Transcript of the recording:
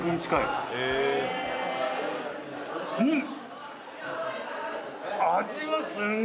うん！